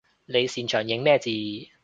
你擅長認咩字？